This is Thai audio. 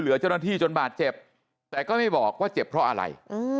เจ้าหน้าที่จนบาดเจ็บแต่ก็ไม่บอกว่าเจ็บเพราะอะไร